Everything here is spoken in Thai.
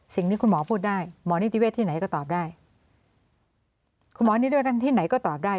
สิ่งนี้คุณหมอพูดได้หมอนิติเวทที่ไหนก็ตอบได้